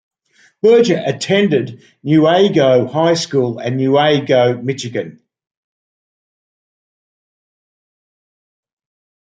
Berger attended Newaygo High School in Newaygo, Michigan.